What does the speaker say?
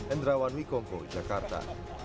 indrawan mikoko jakarta